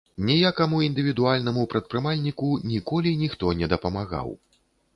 Ніякаму індывідуальнаму прадпрымальніку ніколі ніхто не дапамагаў.